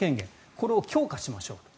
これを強化しましょうと。